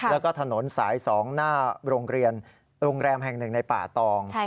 แล้วก็ถนนสาย๒หน้าโรงเรียนโรงแรมแห่งหนึ่งในป่าตอง